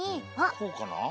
こうかな？